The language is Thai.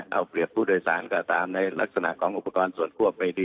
เอาผลิตผู้เตยสารกับการตามลักษณะกล้องอุปกรณ์ส่วนคั่วไปดี